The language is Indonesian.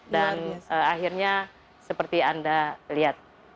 dan akhirnya seperti anda lihat